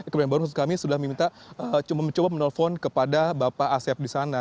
kebangiran baru kami sudah mencoba menelpon kepada bapak asef di sana